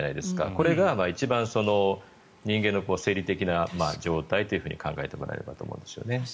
これが一番人間の生理的な状態と考えてもらえればと思います。